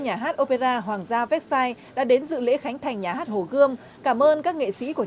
nhà hát opera hoàng gia vecsai đã đến dự lễ khánh thành nhà hát hồ gươm cảm ơn các nghệ sĩ của